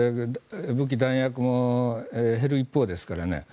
武器弾薬も減る一方ですからね。